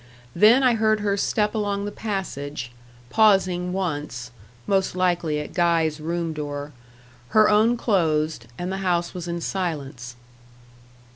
Then I heard her step along the passage, pausing once most likely at Guy's room door; her own closed, and the house was in silence.